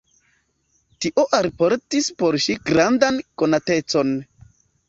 Tio alportis por ŝi grandan konatecon.